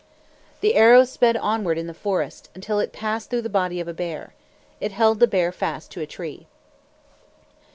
The arrow sped onward in the forest, until it passed through the body of a bear. It held the bear fast to a tree.